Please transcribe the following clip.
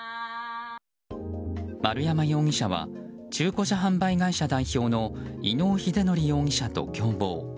丸山容疑者は中古車販売会社代表の伊能英徳容疑者と共謀。